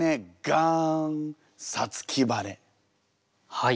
はい。